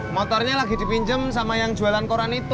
motornya lagi dipinjam sama yang jualan koran itu